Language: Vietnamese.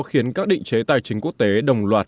khiến các định chế tài chính quốc tế đồng loạt